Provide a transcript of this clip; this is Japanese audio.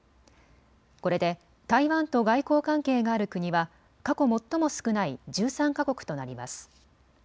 これで台湾と外交関係がある国は過去最も少ない１３か国となります。